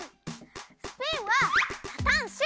スピンはタタンシュ！